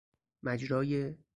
مجرای